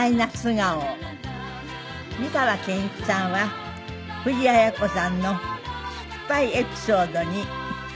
美川憲一さんは藤あや子さんの失敗エピソードに。